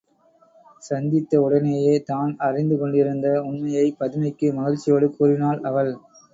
சந்தித்த உடனேயே, தான் அறிந்துகொண்டிருந்த உண்மையைப் பதுமைக்கு மகிழ்ச்சியோடு கூறினாள் அவள்.